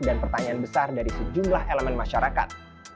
dan pertanyaan besar dari sejumlah elemen masyarakat